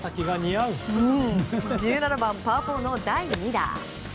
１７番、パー４の第２打。